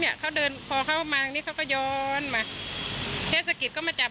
เขาเดินพอเขามานี่เขาก็ย้อนมาเทศกิจก็มาจับ